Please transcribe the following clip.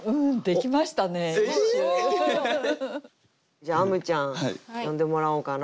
じゃああむちゃん詠んでもらおうかな。